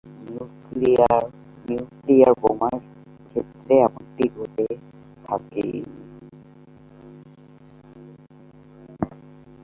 Nuclear বোমার ক্ষেত্রে এমনটি ঘটে থাকে।